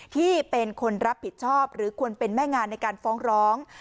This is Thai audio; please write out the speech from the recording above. ที่เป็นคนรับผิดชอบหรือควรเป็นแม่งานในการฟ้องร้อง